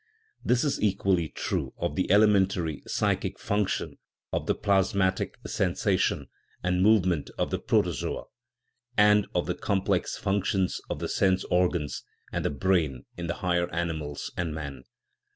That is equally true of the elementary psychic function of the plasmatic sen log THE RIDDLE OF THE UNIVERSE sation and movement of the protozoa, and of the com plex functions of the sense organs and the brain in the higher animals and man.